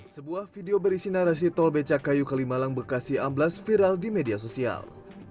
sebuah video berisi narasi tol becakayu kalimalang bekasi amblas viral di media sosial